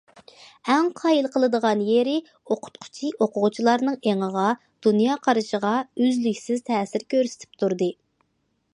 ئەڭ قايىل قىلىدىغان يېرى- ئوقۇتقۇچى ئوقۇغۇچىلارنىڭ ئېڭىغا، دۇنيا قارىشىغا ئۈزلۈكسىز تەسىر كۆرسىتىپ تۇردى.